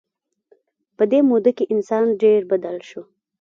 په دې موده کې انسان ډېر بدل شو.